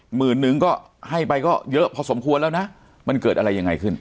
หมื่นนึงก็ให้ไปก็เยอะพอสมควรแล้วนะมันเกิดอะไรยังไงขึ้น